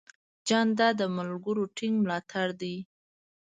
جانداد د ملګرو ټینګ ملاتړ دی.